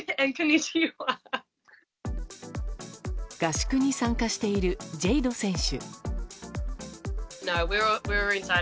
合宿に参加しているジェイド選手。